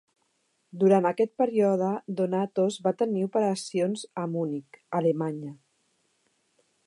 Durant aquest període Donatos va tenir operacions a Munic, Alemanya.